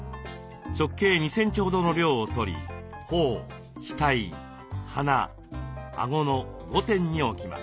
直径２センチほどの量を取り頬額鼻あごの５点に置きます。